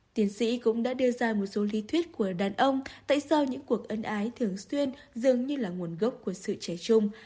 tiến sĩ cũng đã đưa ra một số lý thuyết của đàn ông tại sao những cuộc ân ái thường xuyên dường như là nguồn gốc của sự trẻ trung